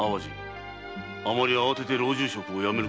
あまり慌てて老中職を辞めることはないぞ。